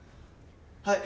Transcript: はい！